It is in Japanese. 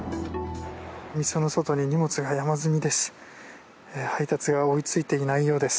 店の外に荷物が山積みです。